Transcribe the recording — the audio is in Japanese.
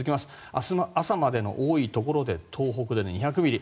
明日の朝までの多いところで東北で２００ミリ